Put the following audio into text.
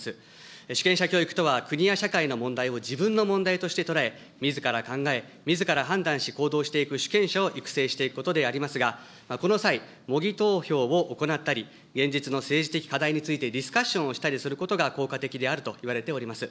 主権者教育とは、国や社会の問題を自分の問題として捉え、みずから考え、みずから判断し、行動していく主権者を育成していくことでありますが、この際、模擬投票を行ったり、現実の政治的課題についてディスカッションをしたりすることが効果的であるといわれております。